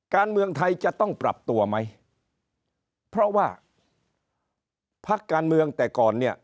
การเมืองไทยจะต้องปรับตัวไหมเพราะว่าพักการเมืองแต่ก่อนเนี่ย